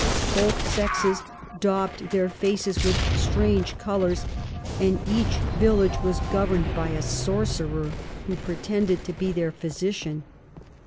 Both Sexes daub'd their Faces with strange Colours, and each Village was govern'd by a Sorcerer, who pretended to be their Physician.